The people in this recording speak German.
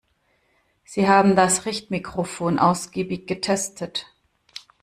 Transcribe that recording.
Sie haben das Richtmikrofon ausgiebig getestet.